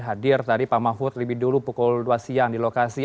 hadir tadi pak mahfud lebih dulu pukul dua siang di lokasi